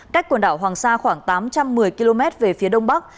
cách quần đảo hoàng sa khoảng tám trăm một mươi km về phía đông bắc